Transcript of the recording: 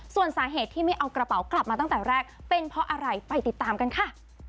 ส่วนสาเหตุที่ไม่เอากระเป๋ากลับมาตั้งแต่แรกเป็นเพราะอะไรไปติดตามกันค่ะ